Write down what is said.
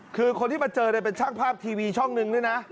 คือคนที่มาเจอเป็นช่างภาพทีวีช่องหนึ่งด้วยนะ